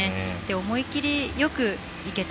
思い切りよくいけた。